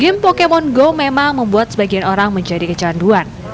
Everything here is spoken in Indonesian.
game pokemon go memang membuat sebagian orang menjadi kecanduan